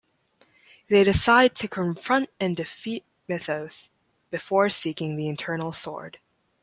They decide to confront and defeat Mithos before seeking the Eternal Sword.